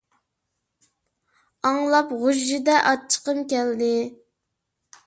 ئاڭلاپ غۇژژىدە ئاچچىقىم كەلدى.